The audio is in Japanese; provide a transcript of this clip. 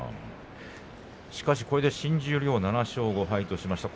しかしこれで新十両７勝５敗としました。